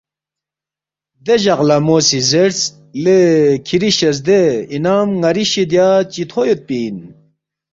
دے جق لہ مو سی زیرس، ”لے کِھری شزدے انعام ن٘ری شِدیا چِتھو یودپی اِن